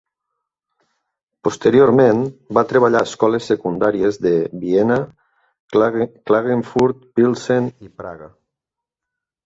Posteriorment, va treballar a escoles secundàries de Viena, Klagenfurt, Pilsen i Praga.